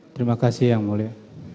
terima kasih yang mulia